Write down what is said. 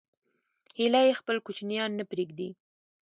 هیلۍ خپل کوچنیان نه پرېږدي